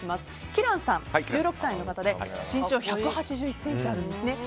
キランさん、１６歳の方で身長１８１ｃｍあるんですね。